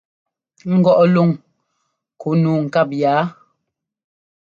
Ŋgɔʼ luŋ ku nǔu ŋkáp yaa?